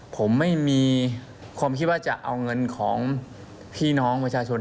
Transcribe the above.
ผมไม่มีความคิดว่าจะเอาเงินของพี่น้องประชาชน